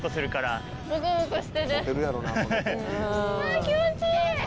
あ気持ちいい！